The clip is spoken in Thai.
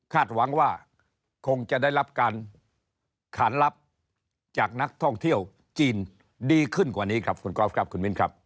หวังว่าคงจะได้รับการขานลับจากนักท่องเที่ยวจีนดีขึ้นกว่านี้ครับคุณกอล์ฟครับคุณมิ้นครับ